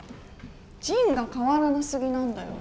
仁が変わらな過ぎなんだよ。